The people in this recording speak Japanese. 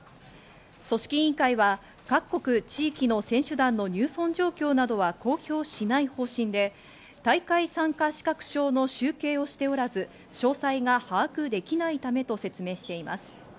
組織委員会は、各国地域の選手団の入村状況などは公表しない方針で、大会参加資格証の集計をしておらず、詳細が把握できていないためとしています。